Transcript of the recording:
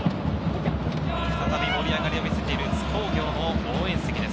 再び盛り上がりを見せている津工業の応援席です。